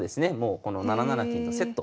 この７七金とセット。